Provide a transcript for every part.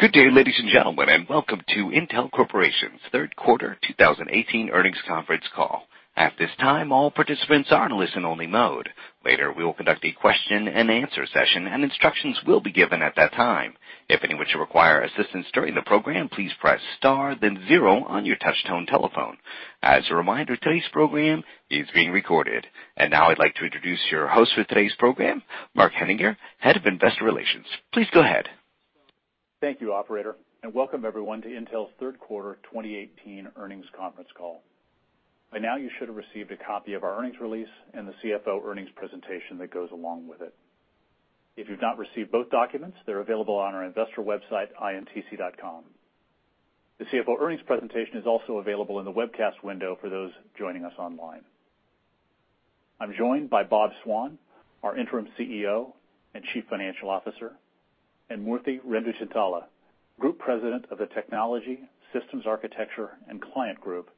Good day, ladies and gentlemen, and welcome to Intel Corporation's third quarter 2018 earnings conference call. At this time, all participants are in listen only mode. Later, we will conduct a question and answer session, and instructions will be given at that time. If any of you require assistance during the program, please press star then zero on your touchtone telephone. As a reminder, today's program is being recorded. Now I'd like to introduce your host for today's program, Mark Henninger, Head of Investor Relations. Please go ahead. Thank you, operator. Welcome everyone to Intel's third quarter 2018 earnings conference call. By now you should have received a copy of our earnings release and the CFO earnings presentation that goes along with it. If you've not received both documents, they're available on our investor website, intc.com. The CFO earnings presentation is also available in the webcast window for those joining us online. I'm joined by Bob Swan, our interim CEO and Chief Financial Officer, and Murthy Renduchintala, Group President of the Technology, Systems Architecture, and Client Group,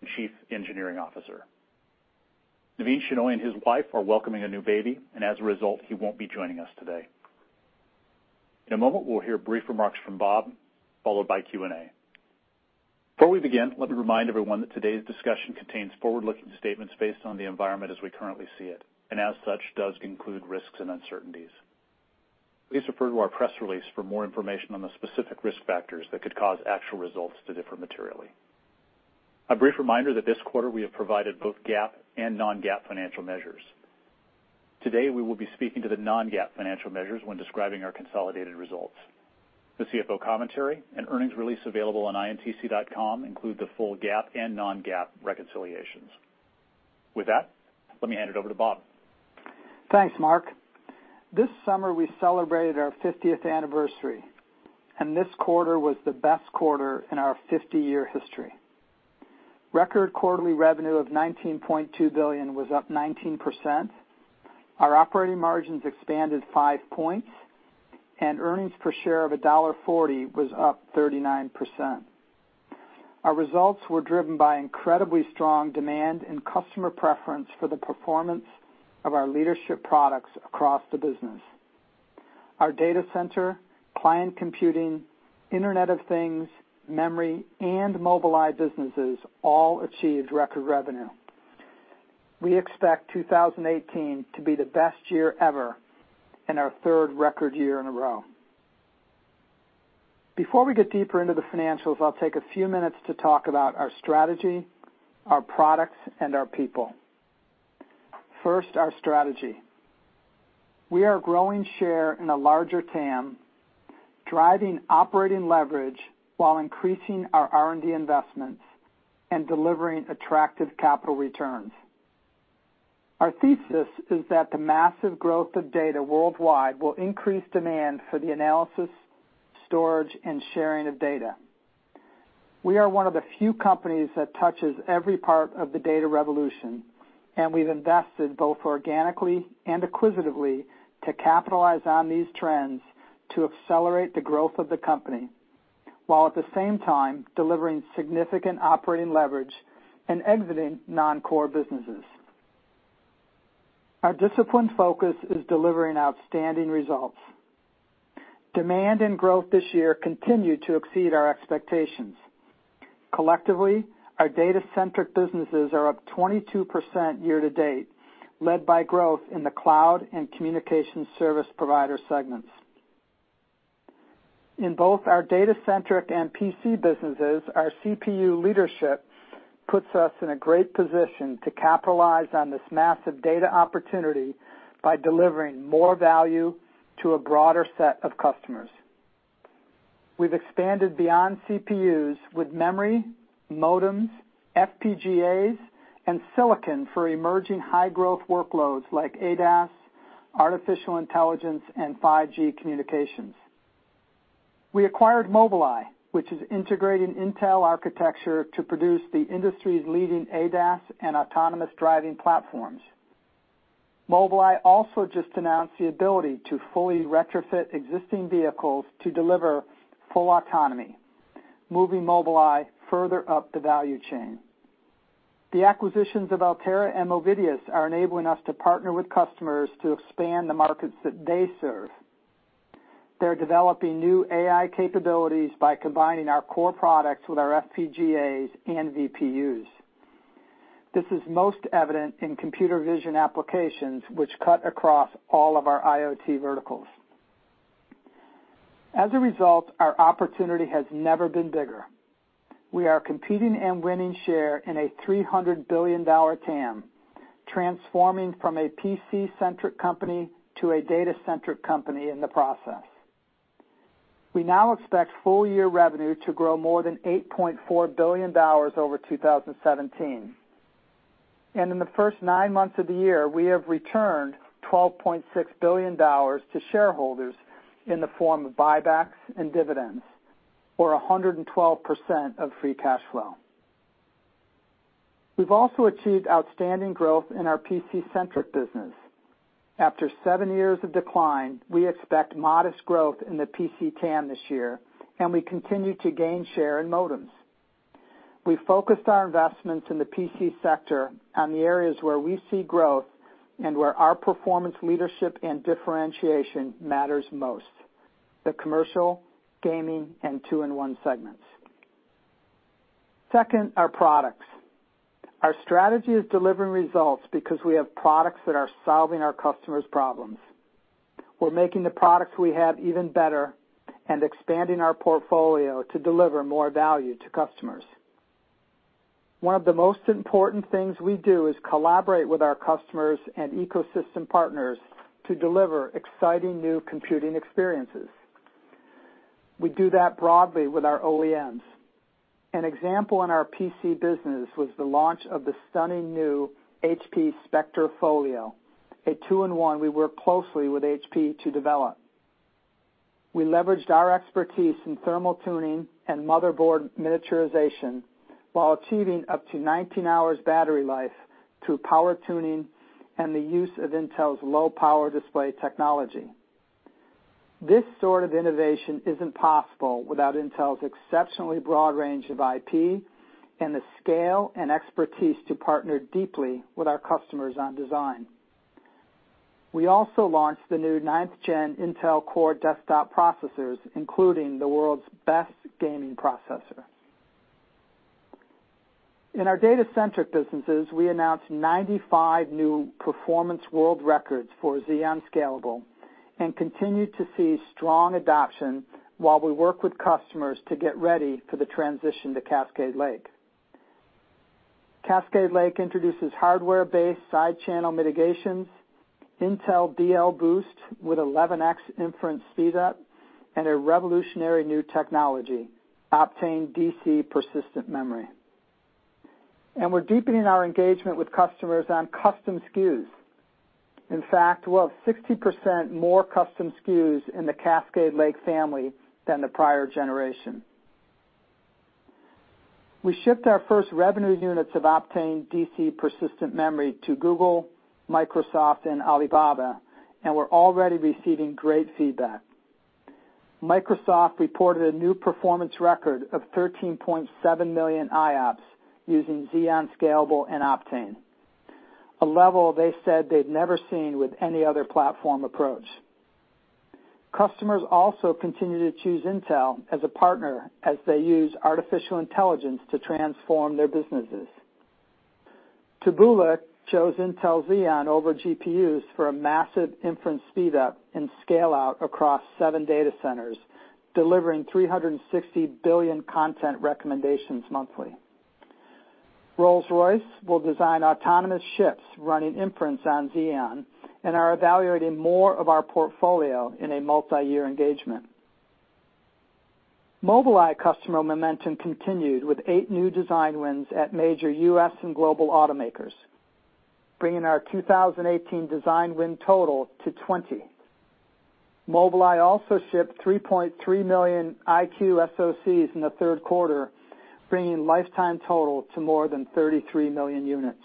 and Chief Engineering Officer. Navin Shenoy and his wife are welcoming a new baby, and as a result, he won't be joining us today. In a moment, we'll hear brief remarks from Bob, followed by Q&A. Before we begin, let me remind everyone that today's discussion contains forward-looking statements based on the environment as we currently see it, and as such, does include risks and uncertainties. Please refer to our press release for more information on the specific risk factors that could cause actual results to differ materially. A brief reminder that this quarter we have provided both GAAP and non-GAAP financial measures. Today, we will be speaking to the non-GAAP financial measures when describing our consolidated results. The CFO commentary and earnings release available on intc.com include the full GAAP and non-GAAP reconciliations. With that, let me hand it over to Bob. Thanks, Mark. This summer we celebrated our 50th anniversary. This quarter was the best quarter in our 50-year history. Record quarterly revenue of $19.2 billion was up 19%. Our operating margins expanded five points, and earnings per share of $1.40 was up 39%. Our results were driven by incredibly strong demand and customer preference for the performance of our leadership products across the business. Our Data Center, Client Computing, Internet of Things, memory, and Mobileye businesses all achieved record revenue. We expect 2018 to be the best year ever and our third record year in a row. Before we get deeper into the financials, I'll take a few minutes to talk about our strategy, our products, and our people. First, our strategy. We are growing share in a larger TAM, driving operating leverage while increasing our R&D investments and delivering attractive capital returns. Our thesis is that the massive growth of data worldwide will increase demand for the analysis, storage, and sharing of data. We've invested both organically and acquisitively to capitalize on these trends to accelerate the growth of the company, while at the same time, delivering significant operating leverage and exiting non-core businesses. Our disciplined focus is delivering outstanding results. Demand and growth this year continued to exceed our expectations. Collectively, our data-centric businesses are up 22% year-to-date, led by growth in the cloud and communication service provider segments. In both our data-centric and PC businesses, our CPU leadership puts us in a great position to capitalize on this massive data opportunity by delivering more value to a broader set of customers. We've expanded beyond CPUs with memory, modems, FPGAs, and silicon for emerging high-growth workloads like ADAS, artificial intelligence, and 5G communications. We acquired Mobileye, which is integrating Intel architecture to produce the industry's leading ADAS and autonomous driving platforms. Mobileye also just announced the ability to fully retrofit existing vehicles to deliver full autonomy, moving Mobileye further up the value chain. The acquisitions of Altera and Movidius are enabling us to partner with customers to expand the markets that they serve. They're developing new AI capabilities by combining our core products with our FPGAs and VPUs. This is most evident in computer vision applications, which cut across all of our IoT verticals. As a result, our opportunity has never been bigger. We are competing and winning share in a $300 billion TAM, transforming from a PC-centric company to a data-centric company in the process. We now expect full year revenue to grow more than $8.4 billion over 2017. In the first nine months of the year, we have returned $12.6 billion to shareholders in the form of buybacks and dividends, or 112% of free cash flow. We've also achieved outstanding growth in our PC-centric business. After seven years of decline, we expect modest growth in the PC TAM this year, and we continue to gain share in modems. We focused our investments in the PC sector on the areas where we see growth and where our performance leadership and differentiation matters most, the commercial, gaming, and two-in-one segments. Second, our products. Our strategy is delivering results because we have products that are solving our customers' problems. We're making the products we have even better and expanding our portfolio to deliver more value to customers. One of the most important things we do is collaborate with our customers and ecosystem partners to deliver exciting new computing experiences. We do that broadly with our OEMs. An example in our PC business was the launch of the stunning new HP Spectre Folio, a two-in-one we worked closely with HP to develop. We leveraged our expertise in thermal tuning and motherboard miniaturization while achieving up to 19 hours battery life through power tuning and the use of Intel's low power display technology. This sort of innovation isn't possible without Intel's exceptionally broad range of IP and the scale and expertise to partner deeply with our customers on design. We also launched the new ninth gen Intel Core desktop processors, including the world's best gaming processor. In our data-centric businesses, we announced 95 new performance world records for Xeon Scalable and continue to see strong adoption while we work with customers to get ready for the transition to Cascade Lake. Cascade Lake introduces hardware-based side channel mitigations, Intel DL Boost with 11x inference speed up, and a revolutionary new technology, Optane DC persistent memory. We are deepening our engagement with customers on custom SKUs. In fact, we will have 60% more custom SKUs in the Cascade Lake family than the prior generation. We shipped our first revenue units of Optane DC persistent memory to Google, Microsoft, and Alibaba, and we are already receiving great feedback. Microsoft reported a new performance record of 13.7 million IOPS using Xeon Scalable and Optane, a level they said they had never seen with any other platform approach. Customers also continue to choose Intel as a partner as they use artificial intelligence to transform their businesses. Taboola chose Intel Xeon over GPUs for a massive inference speed up and scale out across seven data centers, delivering 360 billion content recommendations monthly. Rolls-Royce will design autonomous ships running inference on Xeon and are evaluating more of our portfolio in a multi-year engagement. Mobileye customer momentum continued with eight new design wins at major U.S. and global automakers, bringing our 2018 design win total to 20. Mobileye also shipped 3.3 million EyeQ SoCs in the third quarter, bringing lifetime total to more than 33 million units.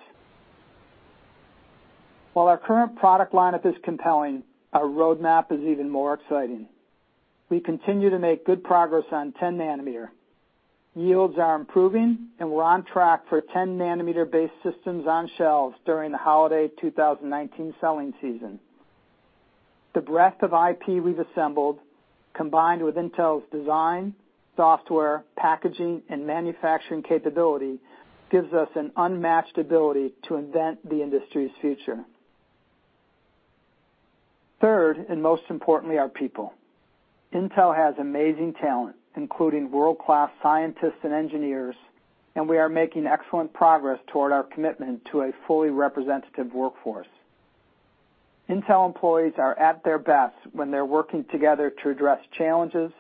While our current product lineup is compelling, our roadmap is even more exciting. We continue to make good progress on 10 nanometer. Yields are improving, we are on track for 10 nanometer-based systems on shelves during the holiday 2019 selling season. The breadth of IP we have assembled, combined with Intel's design, software, packaging, and manufacturing capability, gives us an unmatched ability to invent the industry's future. Third, most importantly, our people. Intel has amazing talent, including world-class scientists and engineers, we are making excellent progress toward our commitment to a fully representative workforce. Intel employees are at their best when they are working together to address challenges,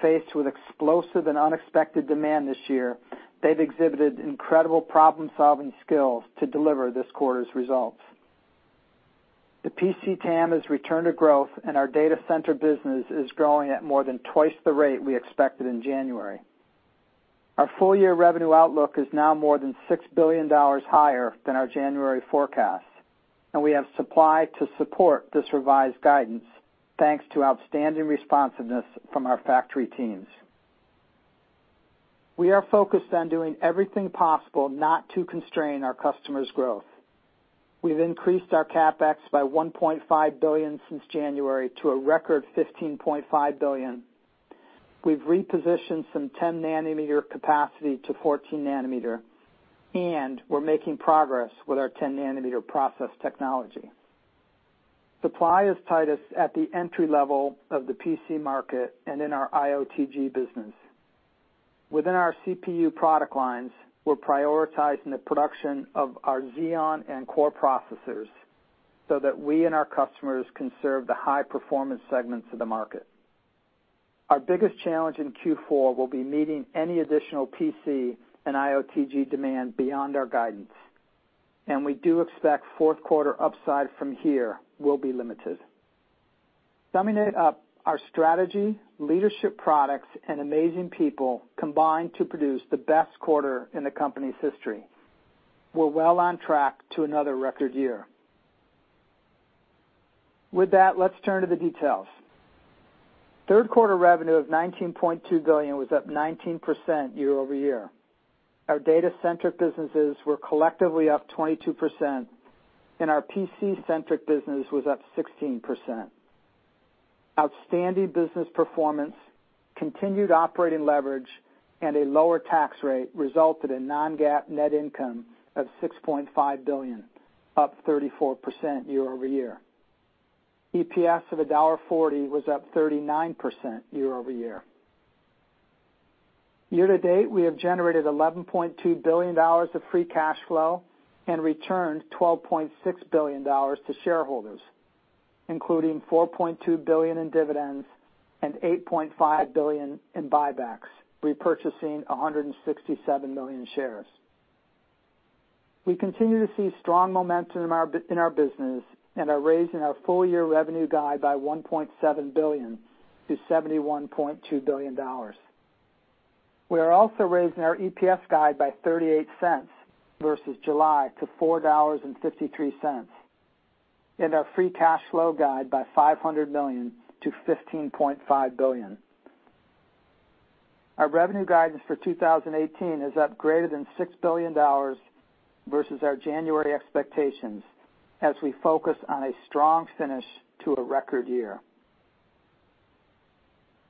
faced with explosive and unexpected demand this year, they have exhibited incredible problem-solving skills to deliver this quarter's results. The PC TAM has returned to growth, our data center business is growing at more than twice the rate we expected in January. Our full-year revenue outlook is now more than $6 billion higher than our January forecast, we have supply to support this revised guidance, thanks to outstanding responsiveness from our factory teams. We are focused on doing everything possible not to constrain our customers' growth. We have increased our CapEx by $1.5 billion since January to a record $15.5 billion. We have repositioned some 10 nanometer capacity to 14 nanometer, we are making progress with our 10 nanometer process technology. Supply has tied us at the entry level of the PC market and in our IOTG business. Within our CPU product lines, we are prioritizing the production of our Xeon and Core processors so that we and our customers can serve the high-performance segments of the market. Our biggest challenge in Q4 will be meeting any additional PC and IOTG demand beyond our guidance, we do expect fourth quarter upside from here will be limited. Summing it up, our strategy, leadership products, and amazing people combine to produce the best quarter in the company's history. We're well on track to another record year. With that, let's turn to the details. Third quarter revenue of $19.2 billion was up 19% year-over-year. Our data-centric businesses were collectively up 22%, and our PC-centric business was up 16%. Outstanding business performance, continued operating leverage, and a lower tax rate resulted in non-GAAP net income of $6.5 billion, up 34% year-over-year. EPS of $1.40 was up 39% year-over-year. Year to date, we have generated $11.2 billion of free cash flow and returned $12.6 billion to shareholders, including $4.2 billion in dividends and $8.5 billion in buybacks, repurchasing 167 million shares. We continue to see strong momentum in our business and are raising our full year revenue guide by $1.7 billion to $71.2 billion. We are also raising our EPS guide by $0.38 versus July to $4.53, and our free cash flow guide by $500 million to $15.5 billion. Our revenue guidance for 2018 is up greater than $6 billion versus our January expectations as we focus on a strong finish to a record year.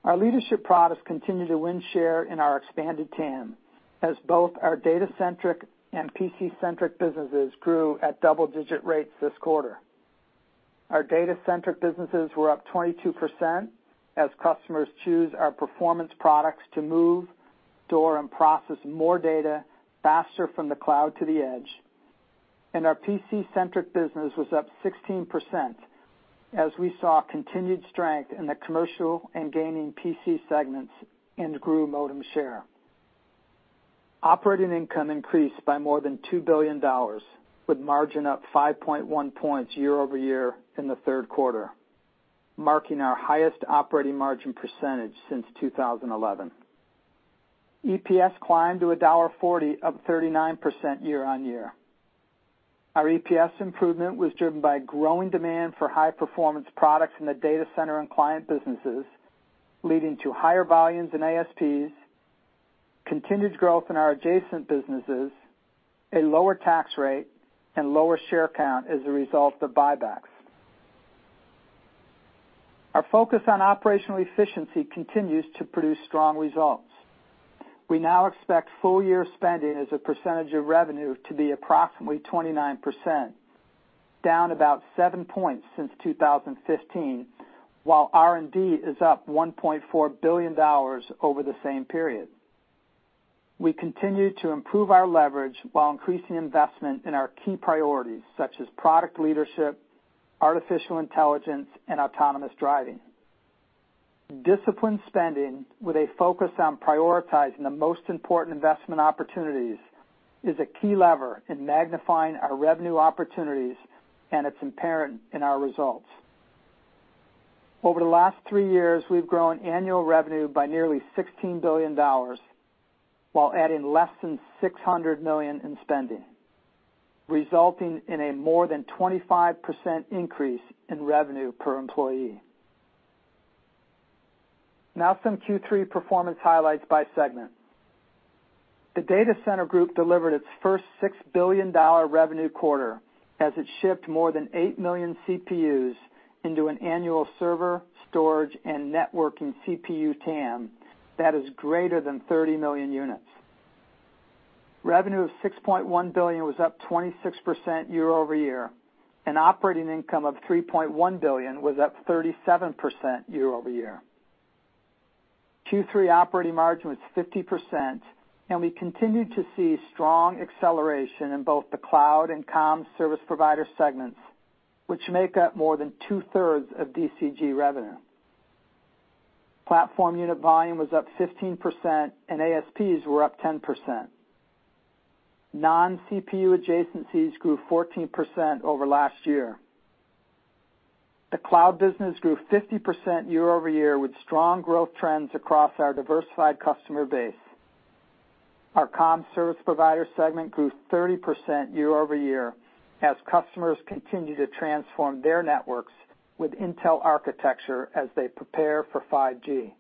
Our leadership products continue to win share in our expanded TAM as both our data-centric and PC-centric businesses grew at double-digit rates this quarter. Our data-centric businesses were up 22% as customers choose our performance products to move, store, and process more data faster from the cloud to the edge. Our PC-centric business was up 16% as we saw continued strength in the commercial and gaming PC segments and grew modem share. Operating income increased by more than $2 billion with margin up 5.1 points year-over-year in the third quarter, marking our highest operating margin percentage since 2011. EPS climbed to $1.40, up 39% year-on-year. Our EPS improvement was driven by growing demand for high-performance products in the data center and client businesses, leading to higher volumes in ASPs, continued growth in our adjacent businesses, a lower tax rate, and lower share count as a result of buybacks. Our focus on operational efficiency continues to produce strong results. We now expect full year spending as a percentage of revenue to be approximately 29%, down about seven points since 2015, while R&D is up $1.4 billion over the same period. We continue to improve our leverage while increasing investment in our key priorities, such as product leadership, artificial intelligence, and autonomous driving. Disciplined spending with a focus on prioritizing the most important investment opportunities is a key lever in magnifying our revenue opportunities, and it's apparent in our results. Over the last three years, we've grown annual revenue by nearly $16 billion while adding less than $600 million in spending, resulting in a more than 25% increase in revenue per employee. Now some Q3 performance highlights by segment. The Data Center Group delivered its first $6 billion revenue quarter as it shipped more than 8 million CPUs into an annual server, storage, and networking CPU TAM that is greater than 30 million units. Revenue of $6.1 billion was up 26% year-over-year, and operating income of $3.1 billion was up 37% year-over-year. Q3 operating margin was 50%. We continued to see strong acceleration in both the cloud and comm service provider segments, which make up more than two-thirds of DCG revenue. Platform unit volume was up 15%. ASPs were up 10%. Non-CPU adjacencies grew 14% over last year. The cloud business grew 50% year-over-year with strong growth trends across our diversified customer base. Our comm service provider segment grew 30% year-over-year as customers continue to transform their networks with Intel architecture as they prepare for 5G.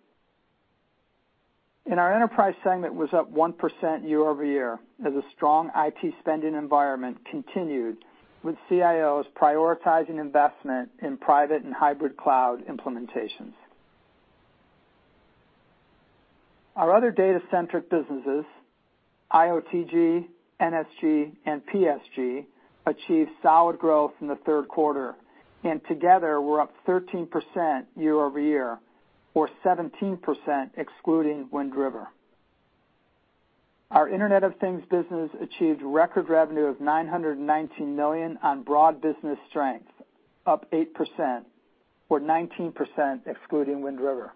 Our enterprise segment was up 1% year-over-year as a strong IT spending environment continued with CIOs prioritizing investment in private and hybrid cloud implementations. Our other data-centric businesses, IOTG, NSG, and PSG, achieved solid growth in the third quarter and together were up 13% year-over-year, or 17% excluding Wind River. Our Internet of Things business achieved record revenue of $919 million on broad business strength, up 8%, or 19% excluding Wind River.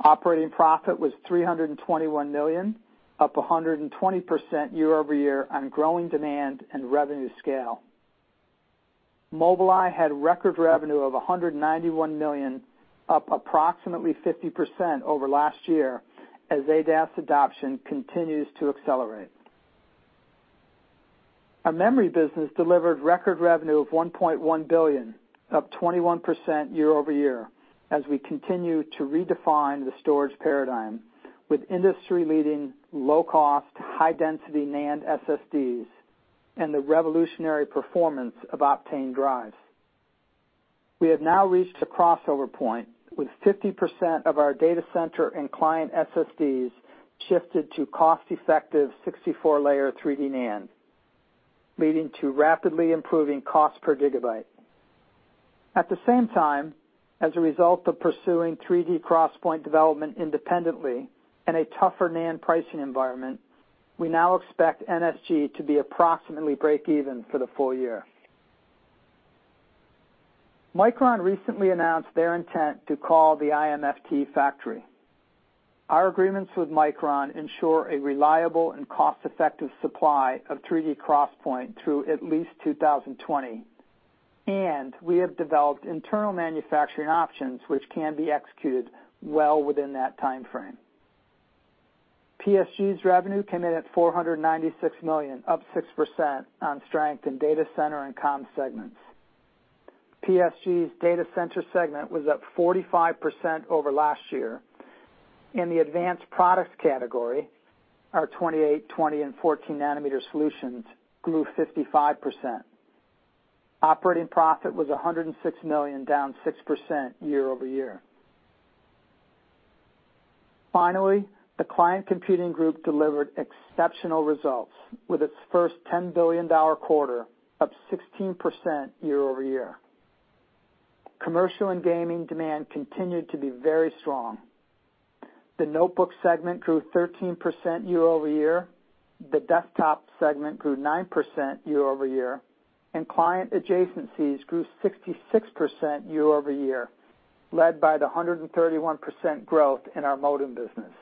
Operating profit was $321 million, up 120% year-over-year on growing demand and revenue scale. Mobileye had record revenue of $191 million, up approximately 50% over last year as ADAS adoption continues to accelerate. Our memory business delivered record revenue of $1.1 billion, up 21% year-over-year, as we continue to redefine the storage paradigm with industry-leading, low-cost, high-density NAND SSDs, and the revolutionary performance of Optane drives. We have now reached a crossover point with 50% of our data center and client SSDs shifted to cost-effective 64-layer 3D NAND, leading to rapidly improving cost per gigabyte. At the same time, as a result of pursuing 3D XPoint development independently and a tougher NAND pricing environment, we now expect NSG to be approximately breakeven for the full year. Micron recently announced their intent to call the IMFT factory. Our agreements with Micron ensure a reliable and cost-effective supply of 3D XPoint through at least 2020, and we have developed internal manufacturing options which can be executed well within that timeframe. PSG's revenue came in at $496 million, up 6% on strength in data center and comm segments. PSG's data center segment was up 45% over last year. In the advanced products category, our 28, 20, and 14-nanometer solutions grew 55%. Operating profit was $106 million, down 6% year-over-year. Finally, the Client Computing Group delivered exceptional results with its first $10 billion quarter, up 16% year-over-year. Commercial and gaming demand continued to be very strong. The notebook segment grew 13% year-over-year, the desktop segment grew 9% year-over-year, and client adjacencies grew 66% year-over-year, led by the 131% growth in our modem business.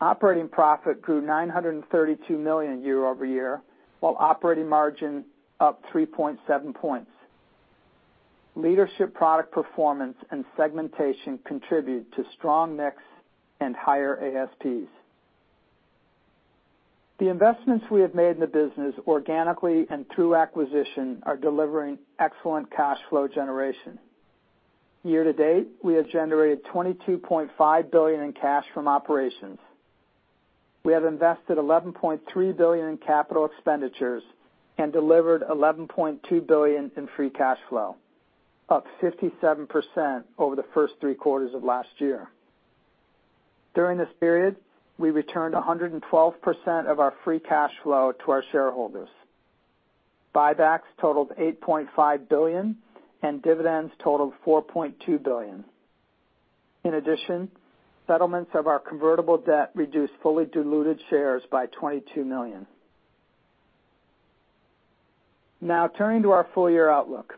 Operating profit grew $932 million year-over-year, while operating margin up 3.7 points. Leadership product performance and segmentation contribute to strong mix and higher ASPs. The investments we have made in the business organically and through acquisition are delivering excellent cash flow generation. Year-to-date, we have generated $22.5 billion in cash from operations. We have invested $11.3 billion in capital expenditures and delivered $11.2 billion in free cash flow, up 57% over the first three quarters of last year. During this period, we returned 112% of our free cash flow to our shareholders. Buybacks totaled $8.5 billion and dividends totaled $4.2 billion. In addition, settlements of our convertible debt reduced fully diluted shares by 22 million. Turning to our full-year outlook.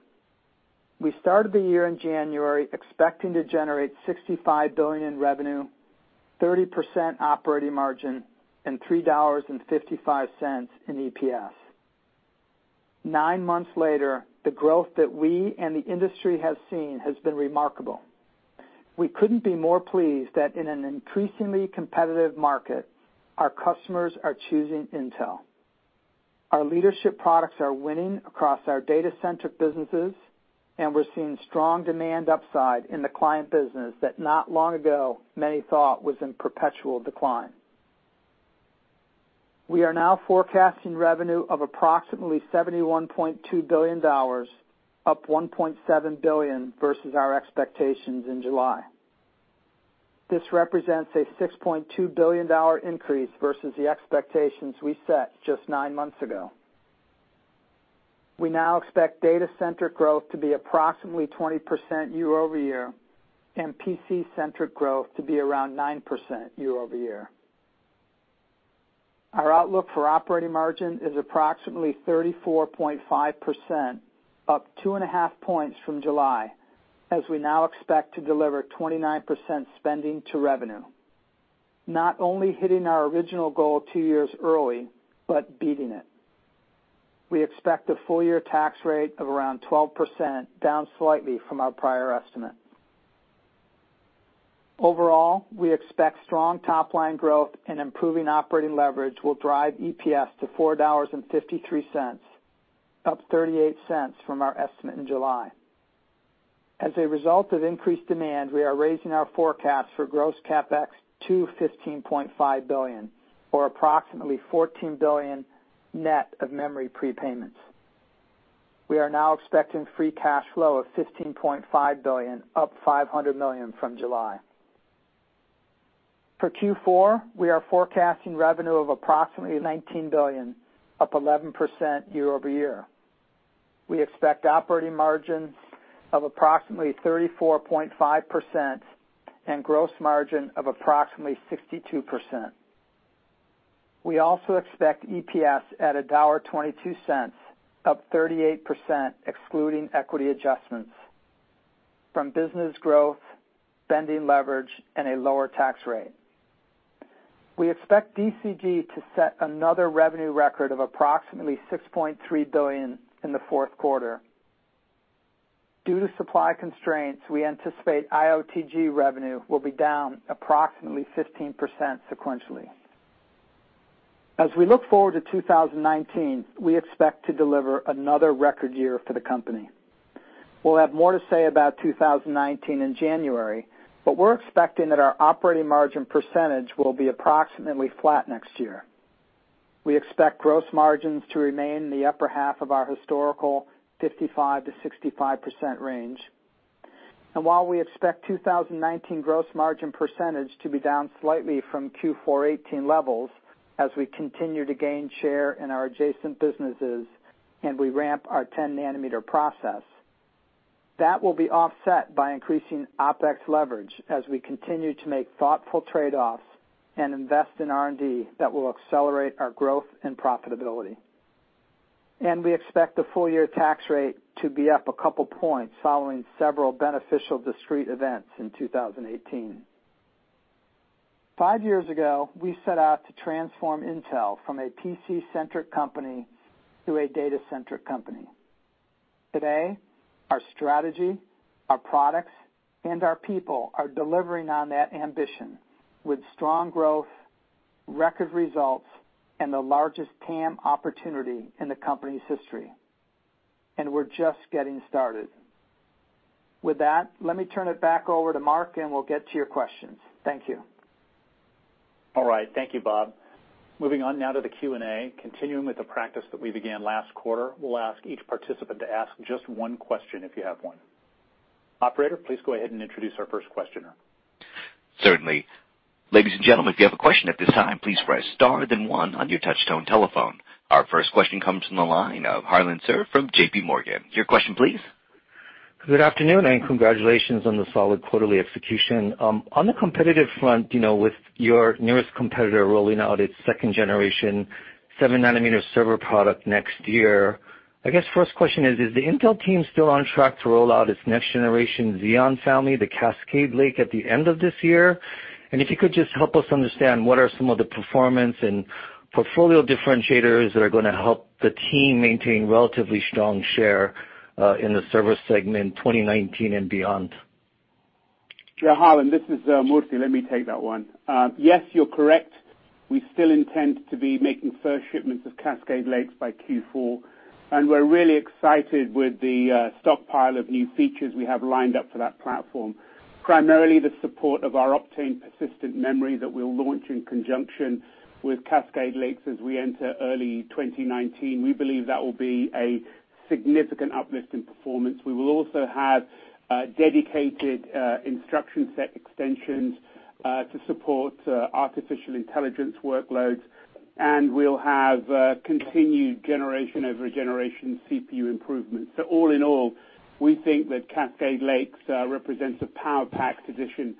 We started the year in January expecting to generate $65 billion in revenue, 30% operating margin, and $3.55 in EPS. Nine months later, the growth that we and the industry have seen has been remarkable. We couldn't be more pleased that in an increasingly competitive market, our customers are choosing Intel. Our leadership products are winning across our data center businesses, and we're seeing strong demand upside in the client business that not long ago many thought was in perpetual decline. We are now forecasting revenue of approximately $71.2 billion, up $1.7 billion versus our expectations in July. This represents a $6.2 billion increase versus the expectations we set just nine months ago. We now expect data center growth to be approximately 20% year-over-year, and PC-centric growth to be around 9% year-over-year. Our outlook for operating margin is approximately 34.5%, up 2.5 points from July, as we now expect to deliver 29% spending to revenue, not only hitting our original goal two years early, but beating it. We expect a full-year tax rate of around 12%, down slightly from our prior estimate. Overall, we expect strong top-line growth and improving operating leverage will drive EPS to $4.53, up $0.38 from our estimate in July. As a result of increased demand, we are raising our forecast for gross CapEx to $15.5 billion, or approximately $14 billion net of memory prepayments. We are now expecting free cash flow of $15.5 billion, up $500 million from July. For Q4, we are forecasting revenue of approximately $19 billion, up 11% year-over-year. We expect operating margins of approximately 34.5% and gross margin of approximately 62%. We also expect EPS at a $1.22, up 38%, excluding equity adjustments from business growth, spending leverage, and a lower tax rate. We expect DCG to set another revenue record of approximately $6.3 billion in the fourth quarter. Due to supply constraints, we anticipate IOTG revenue will be down approximately 15% sequentially. As we look forward to 2019, we expect to deliver another record year for the company. We're expecting that our operating margin percentage will be approximately flat next year. We expect gross margins to remain in the upper half of our historical 55%-65% range. While we expect 2019 gross margin percentage to be down slightly from Q4 2018 levels as we continue to gain share in our adjacent businesses and we ramp our 10 nanometer process, that will be offset by increasing OpEx leverage as we continue to make thoughtful trade-offs and invest in R&D that will accelerate our growth and profitability. We expect the full-year tax rate to be up a couple of points following several beneficial discrete events in 2018. Five years ago, we set out to transform Intel from a PC-centric company to a data-centric company. Today, our strategy, our products, and our people are delivering on that ambition with strong growth, record results, and the largest TAM opportunity in the company's history. We're just getting started. With that, let me turn it back over to Mark, and we'll get to your questions. Thank you. All right. Thank you, Bob. Moving on now to the Q&A. Continuing with the practice that we began last quarter, we'll ask each participant to ask just one question if you have one. Operator, please go ahead and introduce our first questioner. Certainly. Ladies and gentlemen, if you have a question at this time, please press star, then one on your touchtone telephone. Our first question comes from the line of Harlan Sur from JPMorgan. Your question, please. Good afternoon, congratulations on the solid quarterly execution. On the competitive front, with your nearest competitor rolling out its second-generation seven nanometer server product next year, I guess first question is the Intel team still on track to roll out its next generation Xeon family, the Cascade Lake, at the end of this year? If you could just help us understand what are some of the performance and portfolio differentiators that are going to help the team maintain relatively strong share, in the server segment 2019 and beyond. Yeah, Harlan, this is Murthy. Let me take that one. Yes, you're correct. We still intend to be making first shipments of Cascade Lakes by Q4, we're really excited with the stockpile of new features we have lined up for that platform. Primarily the support of our Optane persistent memory that we'll launch in conjunction with Cascade Lakes as we enter early 2019. We believe that will be a significant uplift in performance. We will also have a dedicated instruction set extensions to support artificial intelligence workloads, we'll have continued generation over generation CPU improvements. All in all, we think that Cascade Lakes represents a power pack position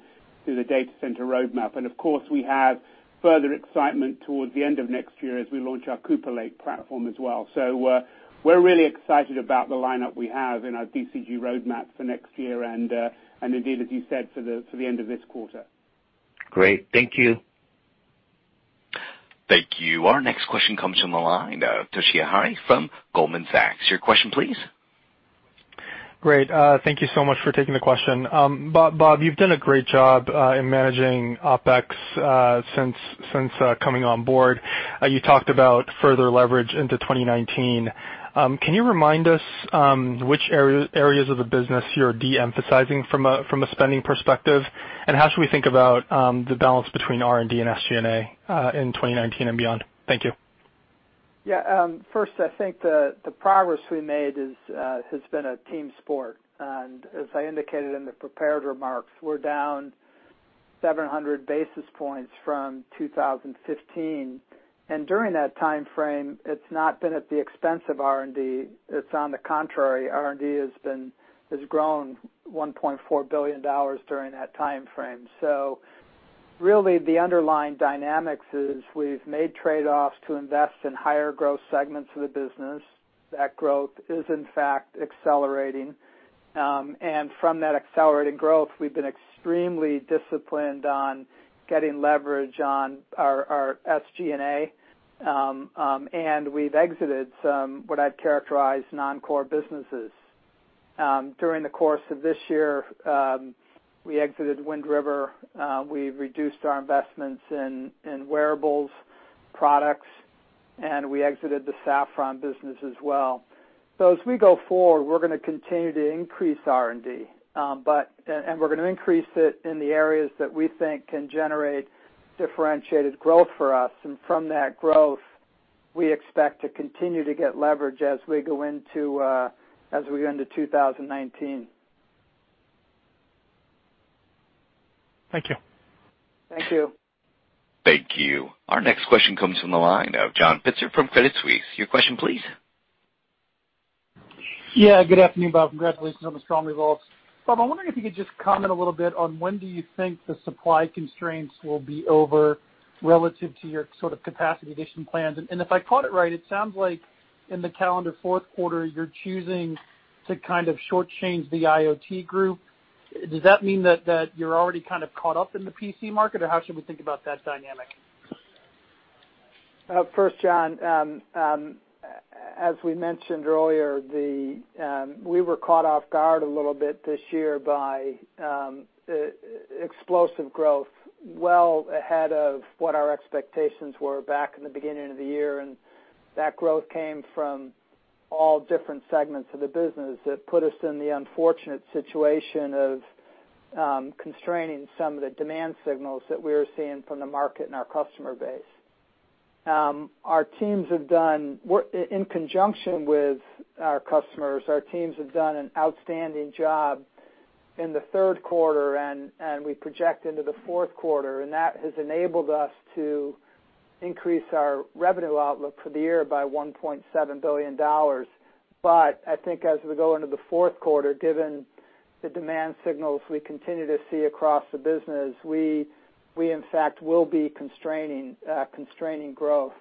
to the data center roadmap. Of course, we have further excitement towards the end of next year as we launch our Cooper Lake platform as well. We're really excited about the lineup we have in our DCG roadmap for next year, and indeed, as you said, for the end of this quarter. Great. Thank you. Thank you. Our next question comes from the line of Toshiya Hari from Goldman Sachs. Your question, please. Great. Thank you so much for taking the question. Bob, you've done a great job in managing OpEx since coming on board. You talked about further leverage into 2019. Can you remind us which areas of the business you're de-emphasizing from a spending perspective, and how should we think about the balance between R&D and SG&A in 2019 and beyond? Thank you. Yeah. First, I think the progress we made has been a team sport. As I indicated in the prepared remarks, we're down 700 basis points from 2015. During that timeframe, it's not been at the expense of R&D. It's on the contrary. R&D has grown $1.4 billion during that timeframe. Really, the underlying dynamics is we've made trade-offs to invest in higher growth segments of the business. That growth is in fact accelerating. From that accelerated growth, we've been extremely disciplined on getting leverage on our SG&A. We've exited some, what I'd characterize, non-core businesses. During the course of this year, we exited Wind River. We've reduced our investments in wearables products, and we exited the Saffron business as well. As we go forward, we're going to continue to increase R&D. We're going to increase it in the areas that we think can generate differentiated growth for us. From that growth, we expect to continue to get leverage as we go into 2019. Thank you. Thank you. Thank you. Our next question comes from the line of John Pitzer from Credit Suisse. Your question, please. Good afternoon, Bob. Congratulations on the strong results. Bob, I'm wondering if you could just comment a little bit on when do you think the supply constraints will be over relative to your sort of capacity addition plans. If I caught it right, it sounds like in the calendar fourth quarter, you're choosing to kind of shortchange the IoT group. Does that mean that you're already kind of caught up in the PC market, or how should we think about that dynamic? John, as we mentioned earlier, we were caught off guard a little bit this year by the explosive growth well ahead of what our expectations were back in the beginning of the year. That growth came from all different segments of the business that put us in the unfortunate situation of constraining some of the demand signals that we were seeing from the market and our customer base. In conjunction with our customers, our teams have done an outstanding job in the third quarter, and we project into the fourth quarter, and that has enabled us to increase our revenue outlook for the year by $1.7 billion. I think as we go into the fourth quarter, given the demand signals we continue to see across the business, we in fact will be constraining growth.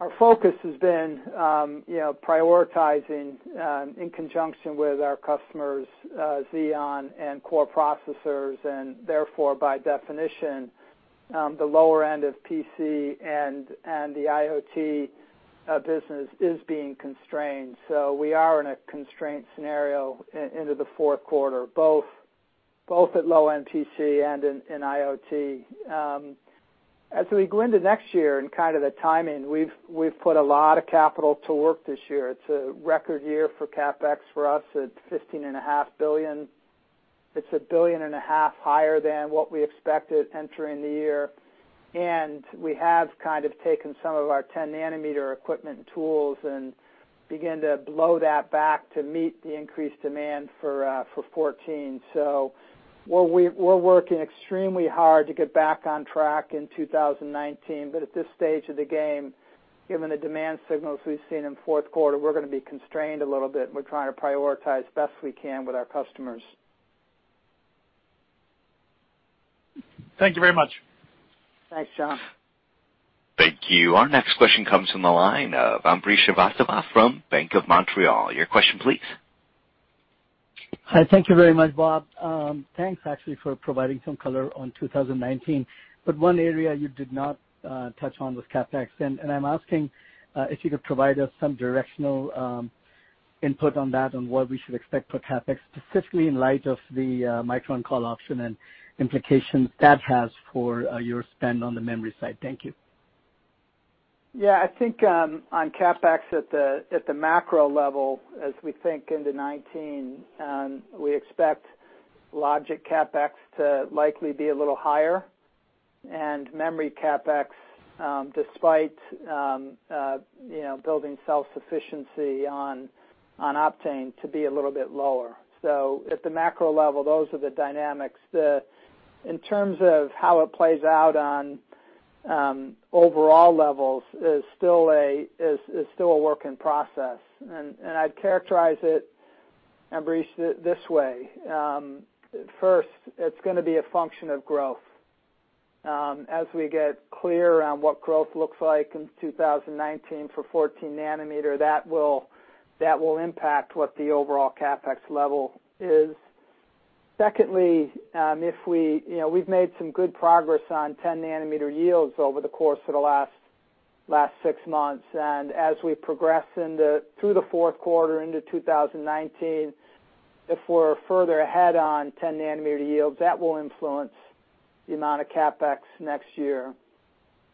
Our focus has been prioritizing, in conjunction with our customers, Xeon and core processors, and therefore by definition, the lower end of PC and the IoT business is being constrained. We are in a constraint scenario into the fourth quarter, both at low-end PC and in IoT. As we go into next year and the timing, we've put a lot of capital to work this year. It's a record year for CapEx for us at $15.5 billion. It's $1.5 billion higher than what we expected entering the year. We have taken some of our 10-nanometer equipment tools and begin to blow that back to meet the increased demand for 14. We're working extremely hard to get back on track in 2019. At this stage of the game, given the demand signals we've seen in fourth quarter, we're going to be constrained a little bit, and we're trying to prioritize best we can with our customers. Thank you very much. Thanks, John. Thank you. Our next question comes from the line of Ambrish Srivastava from Bank of Montreal. Your question, please. Hi, thank you very much, Bob. Thanks actually for providing some color on 2019. One area you did not touch on was CapEx. I'm asking if you could provide us some directional input on that, on what we should expect for CapEx, specifically in light of the Micron call option and implications that has for your spend on the memory side. Thank you. Yeah, I think on CapEx at the macro level, as we think into 2019, we expect logic CapEx to likely be a little higher, and memory CapEx, despite building self-sufficiency on Optane to be a little bit lower. At the macro level, those are the dynamics. In terms of how it plays out on overall levels is still a work in process. I'd characterize it, Ambrish, this way. First, it's going to be a function of growth. As we get clear on what growth looks like in 2019 for 14 nanometer, that will impact what the overall CapEx level is. Secondly, we've made some good progress on 10-nanometer yields over the course of the last 6 months, and as we progress through the fourth quarter into 2019, if we're further ahead on 10-nanometer yields, that will influence the amount of CapEx next year.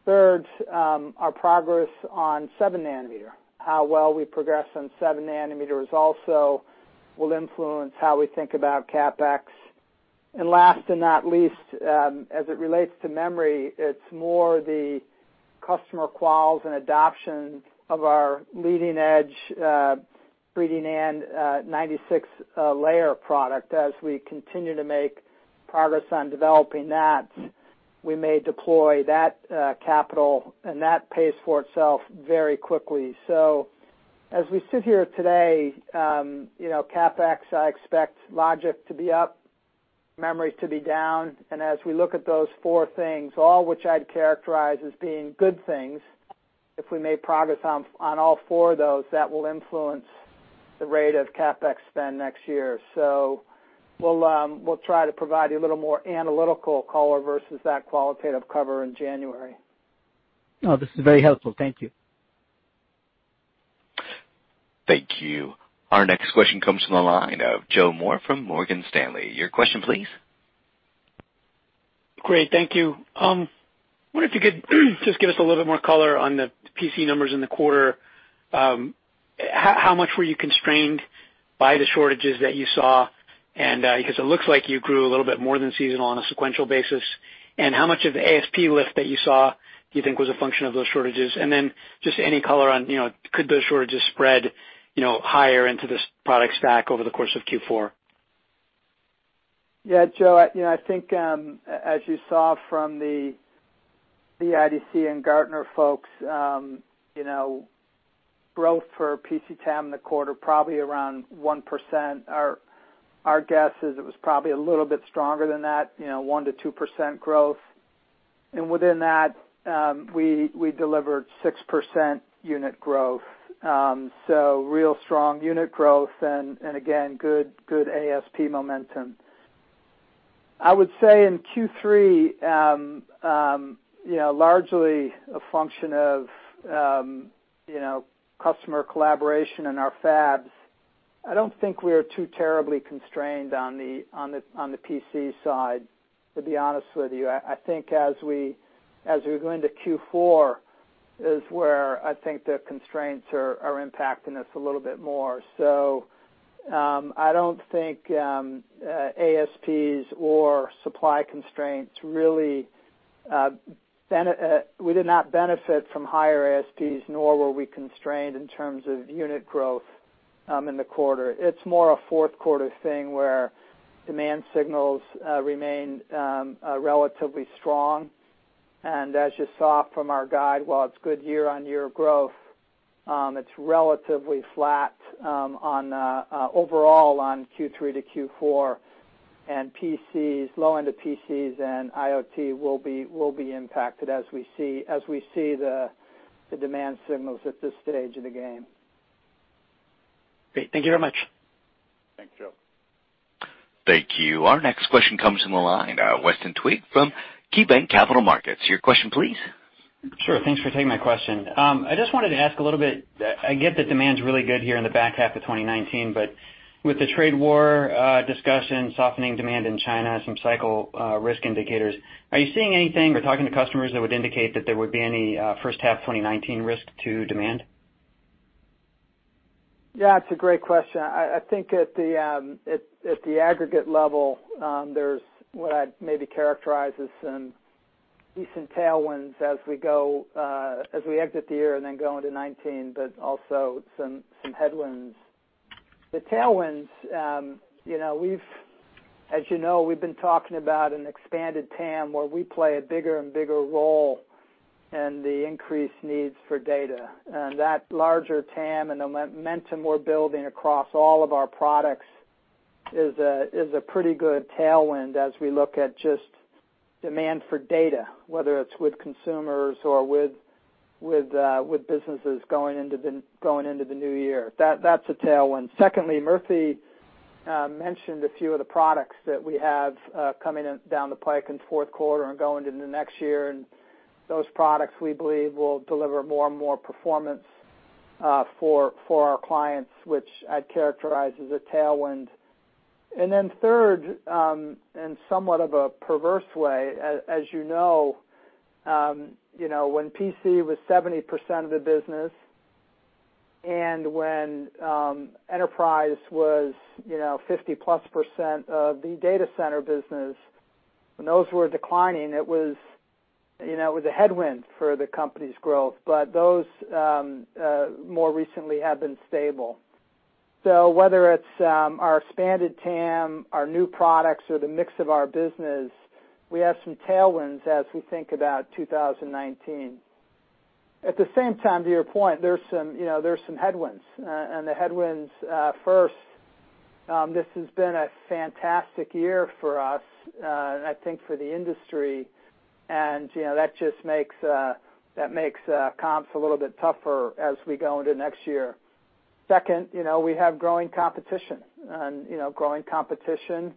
Third, our progress on 7 nanometer. How well we progress on 7 nanometer also will influence how we think about CapEx. Last and not least, as it relates to memory, it's more the customer quals and adoption of our leading-edge 3D NAND 96-layer product. As we continue to make progress on developing that, we may deploy that capital, and that pays for itself very quickly. As we sit here today, CapEx, I expect logic to be up, memory to be down, and as we look at those four things, all which I'd characterize as being good things, if we made progress on all four of those, that will influence the rate of CapEx spend next year. We'll try to provide a little more analytical color versus that qualitative cover in January. No, this is very helpful. Thank you. Thank you. Our next question comes from the line of Joe Moore from Morgan Stanley. Your question, please. Great. Thank you. I wonder if you could just give us a little bit more color on the PC numbers in the quarter. How much were you constrained by the shortages that you saw? Because it looks like you grew a little bit more than seasonal on a sequential basis. How much of the ASP lift that you saw do you think was a function of those shortages? Just any color on could those shortages spread higher into this product stack over the course of Q4? Yeah, Joe, I think as you saw from the IDC and Gartner folks, growth for PC TAM in the quarter probably around 1%. Our guess is it was probably a little bit stronger than that, 1%-2% growth. Within that, we delivered 6% unit growth. Real strong unit growth and again, good ASP momentum. I would say in Q3, largely a function of customer collaboration in our fabs. I don't think we are too terribly constrained on the PC side, to be honest with you. I think as we go into Q4 is where I think the constraints are impacting us a little bit more. We did not benefit from higher ASPs, nor were we constrained in terms of unit growth in the quarter. It's more a fourth quarter thing where demand signals remain relatively strong. As you saw from our guide, while it's good year-on-year growth, it's relatively flat overall on Q3 to Q4, and low-end PCs and IoT will be impacted as we see the demand signals at this stage of the game. Great. Thank you very much. Thanks, Joe. Thank you. Our next question comes from the line of Weston Twigg from KeyBank Capital Markets. Your question, please. Sure. Thanks for taking my question. I just wanted to ask a little bit. I get that demand's really good here in the back half of 2019, but with the trade war discussion, softening demand in China, some cycle risk indicators, are you seeing anything or talking to customers that would indicate that there would be any first half 2019 risk to demand? Yeah, it's a great question. I think at the aggregate level, there's what I'd maybe characterize as some decent tailwinds as we exit the year and then go into 2019, but also some headwinds. That larger TAM and the momentum we're building across all of our products is a pretty good tailwind as we look at just demand for data, whether it's with consumers or with businesses going into the new year. That's a tailwind. Secondly, Murthy mentioned a few of the products that we have coming down the pike in the fourth quarter and going into next year, and those products, we believe, will deliver more and more performance for our clients, which I'd characterize as a tailwind. Then third, in somewhat of a perverse way, as you know, when PC was 70% of the business and when enterprise was 50-plus percent of the data center business, when those were declining, it was a headwind for the company's growth, but those more recently have been stable. Whether it's our expanded TAM, our new products, or the mix of our business, we have some tailwinds as we think about 2019. At the same time, to your point, there's some headwinds. The headwinds, first, this has been a fantastic year for us, I think for the industry, and that just makes comps a little bit tougher as we go into next year. Second, we have growing competition, and growing competition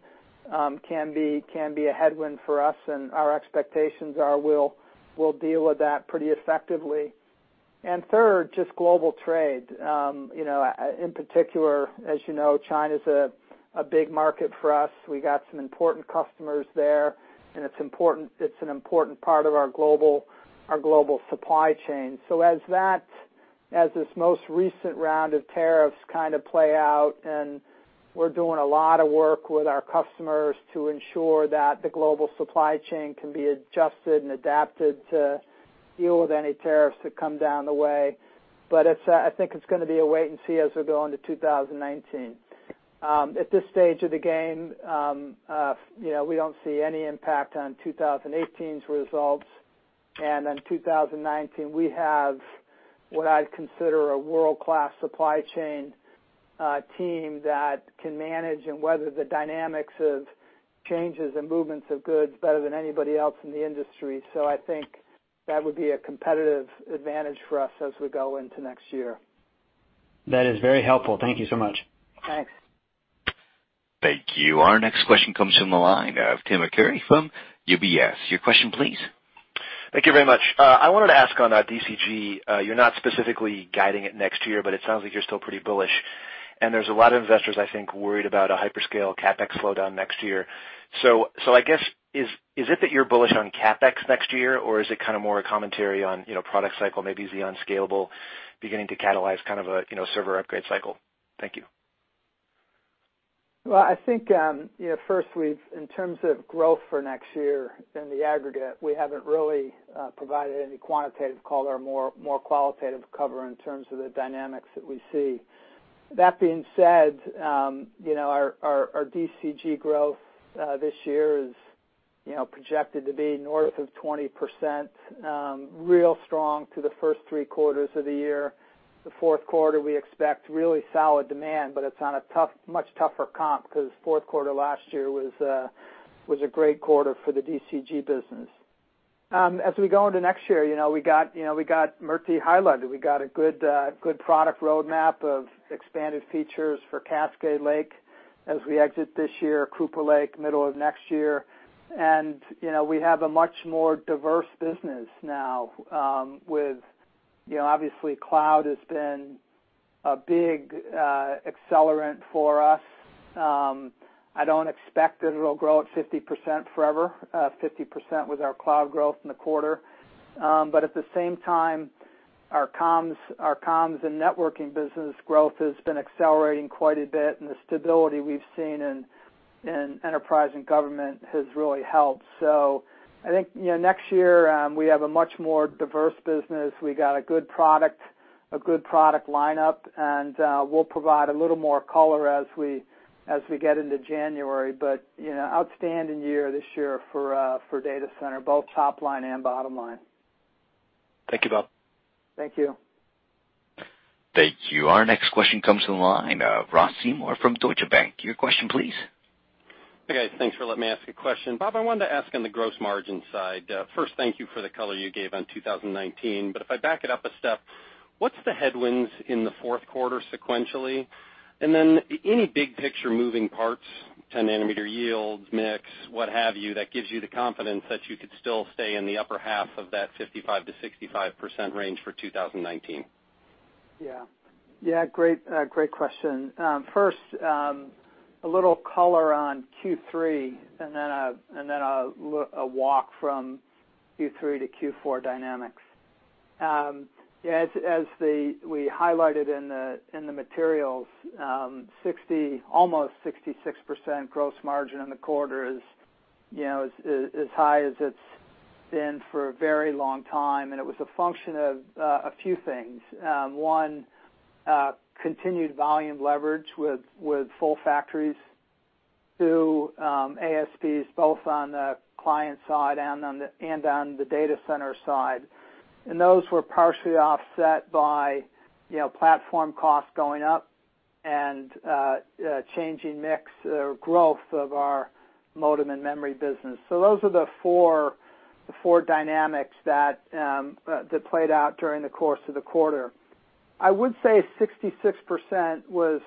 can be a headwind for us, and our expectations are we'll deal with that pretty effectively. Third, just global trade. In particular, as you know, China's a big market for us. We got some important customers there, and it's an important part of our global supply chain. As this most recent round of tariffs kind of play out, we're doing a lot of work with our customers to ensure that the global supply chain can be adjusted and adapted to deal with any tariffs that come down the way. I think it's going to be a wait and see as we go into 2019. At this stage of the game, we don't see any impact on 2018's results, and in 2019, we have what I'd consider a world-class supply chain team that can manage and weather the dynamics of changes and movements of goods better than anybody else in the industry. I think that would be a competitive advantage for us as we go into next year. That is very helpful. Thank you so much. Thanks. Thank you. Our next question comes from the line of Timothy Arcuri from UBS. Your question, please. Thank you very much. I wanted to ask on DCG, you're not specifically guiding it next year, but it sounds like you're still pretty bullish, and there's a lot of investors, I think, worried about a hyperscale CapEx slowdown next year. I guess, is it that you're bullish on CapEx next year, or is it kind of more a commentary on product cycle, maybe Xeon Scalable beginning to catalyze kind of a server upgrade cycle? Thank you. I think, first, in terms of growth for next year in the aggregate, we haven't really provided any quantitative call or more qualitative cover in terms of the dynamics that we see. That being said, our DCG growth this year is projected to be north of 20%, real strong through the first three quarters of the year. The fourth quarter, we expect really solid demand, but it's on a much tougher comp because fourth quarter last year was a great quarter for the DCG business. As we go into next year, we got Murthy highlighted. We got a good product roadmap of expanded features for Cascade Lake as we exit this year, Cooper Lake, middle of next year. We have a much more diverse business now with, obviously, cloud has been a big accelerant for us. I don't expect that it'll grow at 50% forever, 50% was our cloud growth in the quarter. At the same time, our comms and networking business growth has been accelerating quite a bit, and the stability we've seen in enterprise and government has really helped. I think, next year, we have a much more diverse business. We got a good product lineup, and we'll provide a little more color as we get into January. Outstanding year this year for data center, both top line and bottom line. Thank you, Bob. Thank you. Thank you. Our next question comes to the line, Ross Seymore from Deutsche Bank. Your question, please. Hey, guys. Thanks for letting me ask a question. Bob, I wanted to ask on the gross margin side. First, thank you for the color you gave on 2019. If I back it up a step, what's the headwinds in the fourth quarter sequentially? Any big picture moving parts, 10 nanometer yields, mix, what have you, that gives you the confidence that you could still stay in the upper half of that 55%-65% range for 2019? Yeah. Great question. First, a little color on Q3, a walk from Q3 to Q4 dynamics. As we highlighted in the materials, almost 66% gross margin in the quarter is as high as it's been for a very long time. It was a function of a few things. One, continued volume leverage with full factories. Two, ASPs both on the client side and on the data center side. Those were partially offset by platform costs going up and changing mix growth of our modem and memory business. Those are the four dynamics that played out during the course of the quarter. I would say 66% was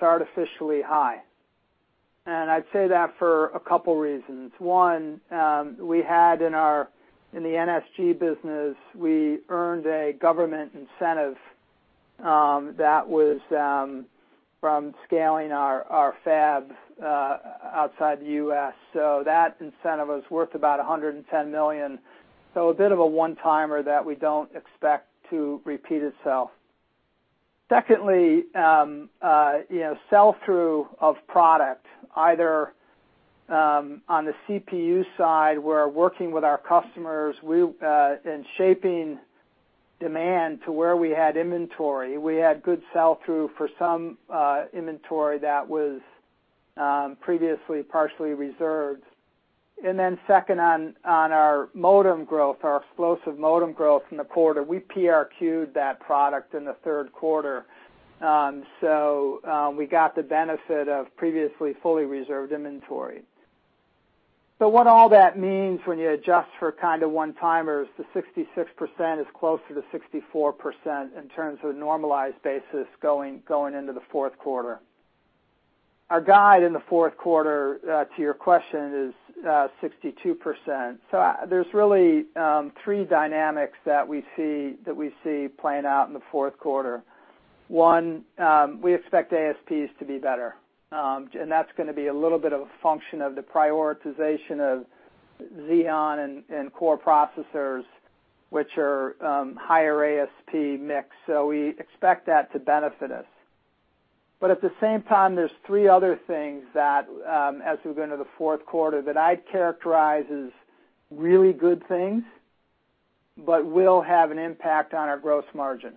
artificially high. I'd say that for a couple reasons. One, we had in the NSG business, we earned a government incentive that was from scaling our fab outside the U.S. That incentive was worth about $110 million. A bit of a one-timer that we don't expect to repeat itself. Secondly, sell-through of product, either on the CPU side, we're working with our customers and shaping demand to where we had inventory. We had good sell-through for some inventory that was previously partially reserved. Second on our explosive modem growth in the quarter, we PRQ'd that product in the third quarter. We got the benefit of previously fully reserved inventory. What all that means when you adjust for kind of one-timers, the 66% is closer to 64% in terms of a normalized basis going into the fourth quarter. Our guide in the fourth quarter, to your question, is 62%. There's really three dynamics that we see playing out in the fourth quarter. One, we expect ASPs to be better. That's going to be a little bit of a function of the prioritization of Xeon and Core processors, which are higher ASP mix. We expect that to benefit us. At the same time, there's three other things that, as we go into the fourth quarter, that I'd characterize as really good things, but will have an impact on our gross margin.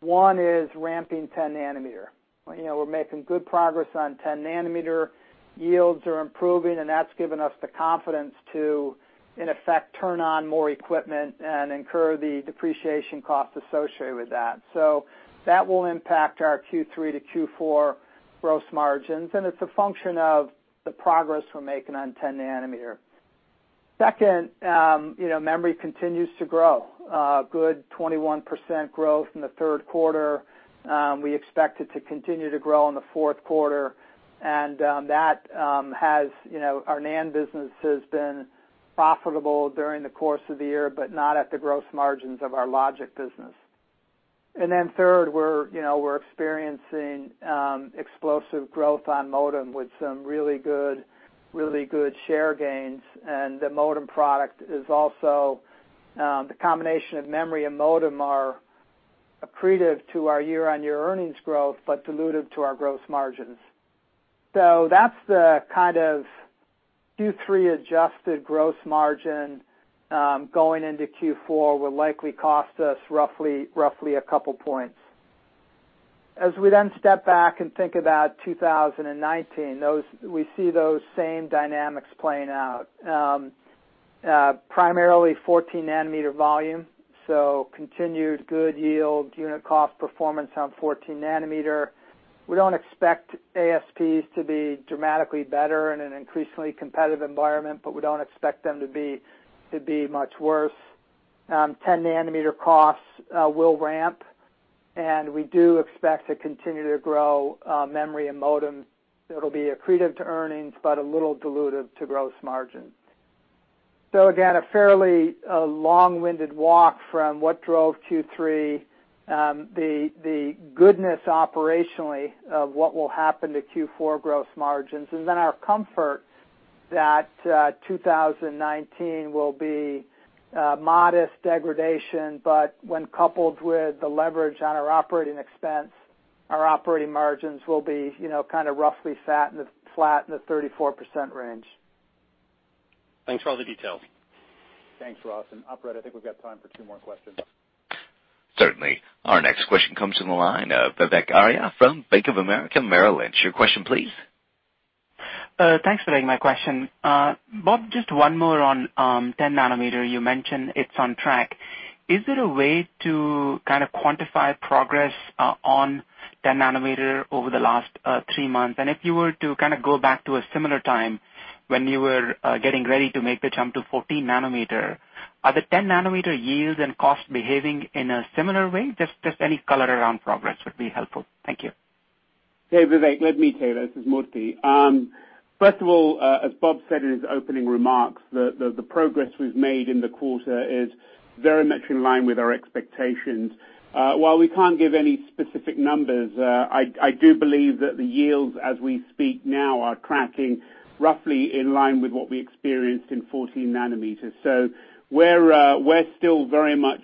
One is ramping 10 nanometer. We're making good progress on 10 nanometer. Yields are improving. That's given us the confidence to, in effect, turn on more equipment and incur the depreciation cost associated with that. That will impact our Q3 to Q4 gross margins, and it's a function of the progress we're making on 10 nanometer. Second, memory continues to grow. Good 21% growth in the third quarter. We expect it to continue to grow in the fourth quarter. Our NAND business has been profitable during the course of the year, but not at the gross margins of our logic business. Third, we're experiencing explosive growth on modem with some really good share gains. The combination of memory and modem are accretive to our year-on-year earnings growth, but dilutive to our gross margins. That's the kind of Q3 adjusted gross margin going into Q4 will likely cost us roughly a couple points. We step back and think about 2019, we see those same dynamics playing out. Primarily 14 nanometer volume, so continued good yield unit cost performance on 14 nanometer. We don't expect ASPs to be dramatically better in an increasingly competitive environment, but we don't expect them to be much worse. 10 nanometer costs will ramp, we do expect to continue to grow memory and modem. It'll be accretive to earnings, but a little dilutive to gross margin. Again, a fairly long-winded walk from what drove Q3, the goodness operationally of what will happen to Q4 gross margins, our comfort that 2019 will be a modest degradation, but when coupled with the leverage on our operating expense, our operating margins will be kind of roughly flat in the 34% range. Thanks for all the details. Thanks, Ross. Operator, I think we've got time for two more questions. Certainly. Our next question comes from the line of Vivek Arya from Bank of America Merrill Lynch. Your question, please. Thanks for taking my question. Bob, just one more on 10 nanometer. You mentioned it's on track. Is there a way to kind of quantify progress on 10 nanometer over the last three months? If you were to kind of go back to a similar time when you were getting ready to make the jump to 14 nanometer, are the 10 nanometer yields and cost behaving in a similar way? Just any color around progress would be helpful. Thank you. Hey, Vivek, let me take this. This is Murthy. First of all, as Bob said in his opening remarks, the progress we've made in the quarter is very much in line with our expectations. While we can't give any specific numbers, I do believe that the yields, as we speak now, are tracking roughly in line with what we experienced in 14 nanometers. We're still very much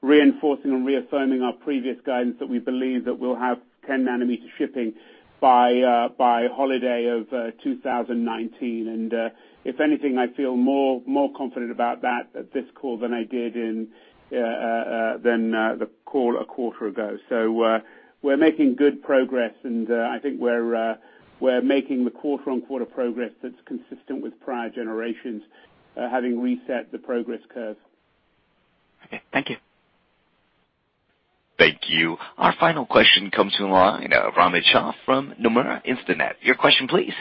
reinforcing and reaffirming our previous guidance that we believe that we'll have 10 nanometer shipping by holiday of 2019. If anything, I feel more confident about that at this call than I did in the call a quarter ago. We're making good progress, and I think we're making the quarter-on-quarter progress that's consistent with prior generations, having reset the progress curve. Okay. Thank you. Thank you. Our final question comes from the line of Romit Shah from Nomura Instinet. Your question, please.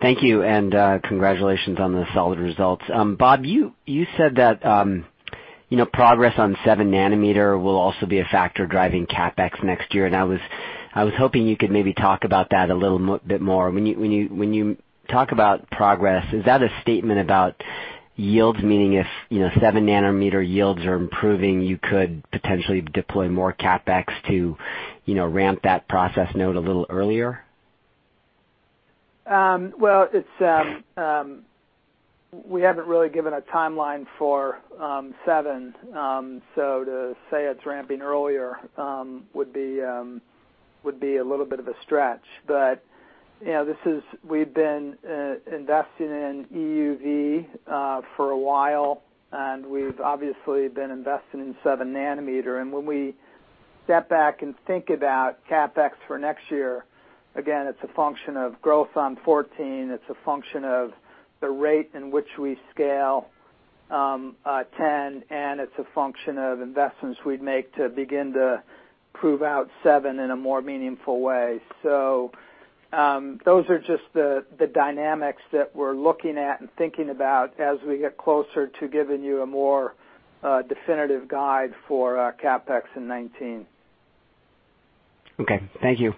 Thank you. Congratulations on the solid results. Bob, you said that progress on 7 nanometer will also be a factor driving CapEx next year. I was hoping you could maybe talk about that a little bit more. When you talk about progress, is that a statement about yields? Meaning if 7 nanometer yields are improving, you could potentially deploy more CapEx to ramp that process node a little earlier? We haven't really given a timeline for seven, to say it's ramping earlier would be a little bit of a stretch. We've been investing in EUV for a while. We've obviously been investing in 7 nanometer. When we step back and think about CapEx for next year, again, it's a function of growth on 14, it's a function of the rate in which we scale 10. It's a function of investments we'd make to begin to prove out seven in a more meaningful way. Those are just the dynamics that we're looking at and thinking about as we get closer to giving you a more definitive guide for CapEx in 2019. Okay. Thank you.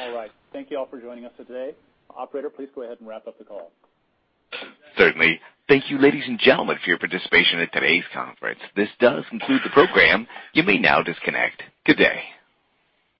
All right. Thank you all for joining us for today. Operator, please go ahead and wrap up the call. Certainly. Thank you, ladies and gentlemen, for your participation in today's conference. This does conclude the program. You may now disconnect. Good day.